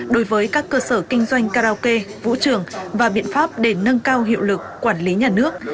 đối với các cơ sở kinh doanh karaoke vũ trường và biện pháp để nâng cao hiệu lực quản lý nhà nước